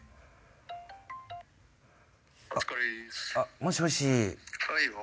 もしもし。